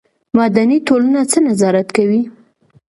مدني ټولنه څه نظارت کوي؟